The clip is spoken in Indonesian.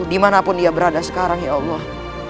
dimanapun dia berada sekarang ya allah